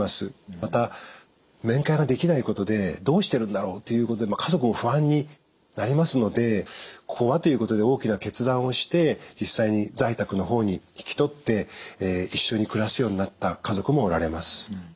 また面会ができないことでどうしてるんだろうっていうことで家族も不安になりますので「ここは」ということで大きな決断をして実際に在宅の方に引き取って一緒に暮らすようになった家族もおられます。